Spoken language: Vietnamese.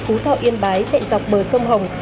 phú thọ yên bái chạy dọc bờ sông hồng